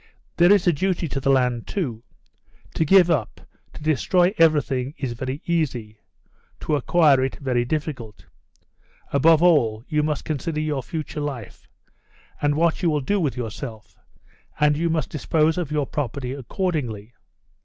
There is a duty to the land, too. To give up, to destroy everything is very easy; to acquire it very difficult. Above all, you must consider your future life, and what you will do with yourself, and you must dispose of your property accordingly.